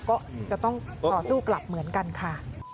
ก็จะต้องต่อสู้กลับเหมือนกันค่ะ